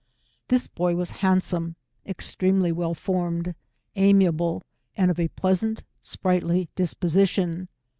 This boy was handsome, extremely well formed, amiable, and of a pleasant sprightly disposition.